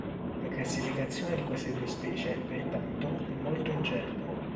La classificazione di queste due specie, pertanto, è molto incerta.